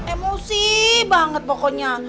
emosi banget pokoknya